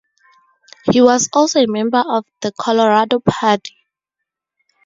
He was also a member of the Colorado Party.